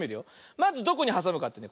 まずどこにはさむかってね